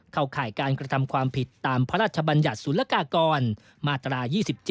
ข่ายการกระทำความผิดตามพระราชบัญญัติศุลกากรมาตรา๒๗